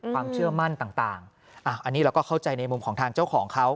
ความเชื่อมั่นต่างอันนี้เราก็เข้าใจในมุมของทางเจ้าของเขา